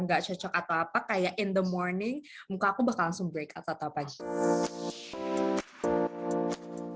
gak cocok atau apa kayak in the morning muka aku bakal langsung break out atau apa gitu